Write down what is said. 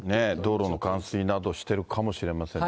道路の冠水などしてるかもしれませんね。